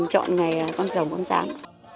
chọn ngày con rồng con rán